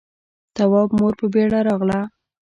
تواب مور په بيړه راغله.